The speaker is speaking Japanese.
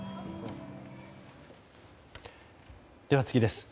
では、次です。